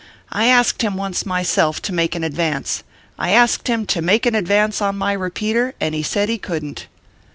I asked him once, myself, to make an advance. I asked him to make an advance on my repeater, and he said he couldn t."